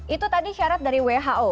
itu tadi syarat dari who